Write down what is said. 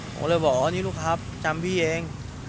ผมเลยบอกว่านี่ลูกครับจำพี่เอง